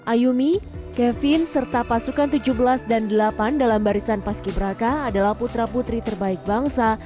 ayumi kevin serta pasukan tujuh belas dan delapan dalam barisan paski beraka adalah putra putri terbaik bangsa